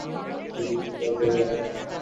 মতির বিশেষ লজ্জাও করে না।